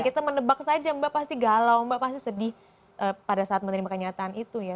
kita menebak saja mbak pasti galau mbak pasti sedih pada saat menerima kenyataan itu ya